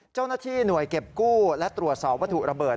เจ้าหน้าที่หน่วยเก็บกู้และตรวจสอบวัตถุระเบิด